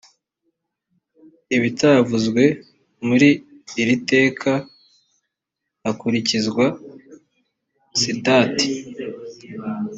ibitavuzwe muri iri teka hakurikizwa sitati